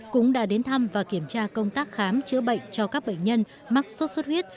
cũng đã đến thăm và kiểm tra công tác khám chữa bệnh cho các bệnh nhân mắc sốt xuất huyết